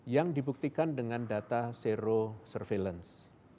yang dibuktikan dengan data zero surveillance